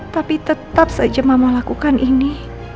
tapi tetap saja mama lakukan ini